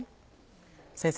先生